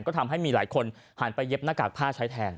ก็ทำให้มีหลายคนหันไปเย็บหน้ากากผ้าใช้แทน